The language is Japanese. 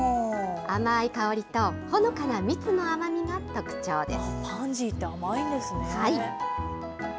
甘い香りとほのかな蜜の甘みが特徴です。